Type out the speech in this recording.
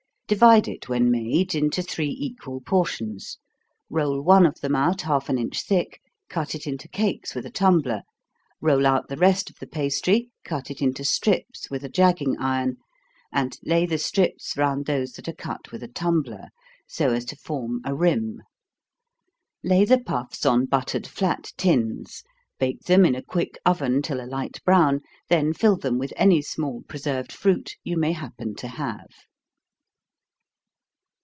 Divide it when made into three equal portions roll one of them out half an inch thick, cut it into cakes with a tumbler roll out the rest of the pastry, cut it into strips with a jagging iron, and lay the strips round those that are cut with a tumbler, so as to form a rim. Lay the puffs on buttered flat tins bake them in a quick oven till a light brown, then fill them with any small preserved fruit you may happen to have.